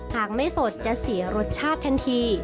หากไม่สดจะเสียรสชาติทันที